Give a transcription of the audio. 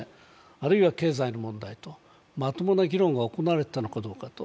あるいは経済の問題とまともな議論が行われていたのかどうかと。